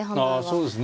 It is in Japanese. そうですね。